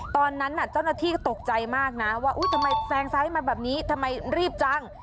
ตอนนั้นเจ้าหน้าที่ก็ตกใจมากนะว่าทำไมแซงซ้ายมาแบบนี้ทำไมรีบจัง